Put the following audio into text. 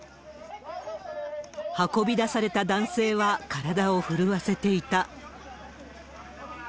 運び出された男性は体を震わせていた。